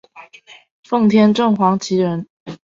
奉天正黄旗人。